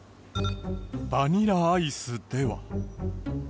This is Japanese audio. バニラアイスでは。